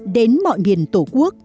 đến mọi miền tổ quốc